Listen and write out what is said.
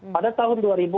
pada tahun dua ribu empat